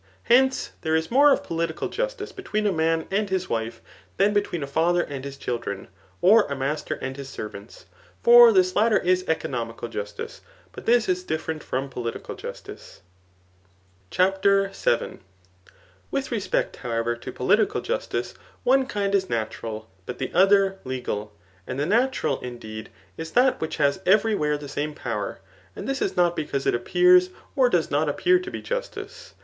Hence', there is more of political justice between a man and his wife, than between a father and his children, or a mas ter and his servants. For this latter is economical jus lice ; but this is diflferent from political justice. Digitized by Google 176 THE NICOMACH£AN BOOK V. CHAPTER VII. With respect, however, to political justice, one kind is natural, but the other legale And the natural, indeed, is that which has every where the same power, and this not because it appears or does not appear to be justice.